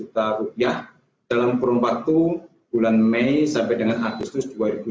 dalam perumpatan bulan mei sampai dengan agustus dua ribu sembilan belas